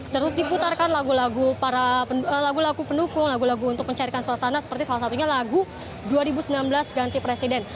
terus diputarkan lagu lagu pendukung lagu lagu untuk mencarikan suasana seperti salah satunya lagu dua ribu sembilan belas ganti presiden